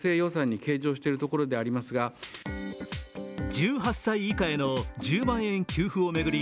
１８歳以下への１０万円給付を巡り